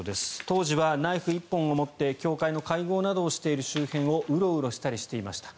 当時はナイフ１本を持って教会の会合などをしている周辺をウロウロしたりしていました。